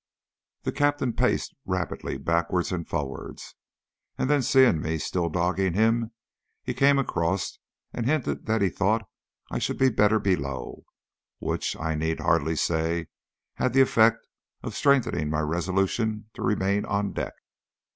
The Captain paced rapidly backwards and forwards, and then seeing me still dogging him, he came across and hinted that he thought I should be better below which, I need hardly say, had the effect of strengthening my resolution to remain on deck.